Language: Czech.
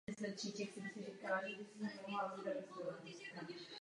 Ve stejném roce byl zvolen doživotním konzulem.